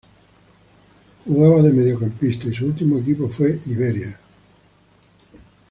Jugaba de mediocampista y su último equipo fue Iberia.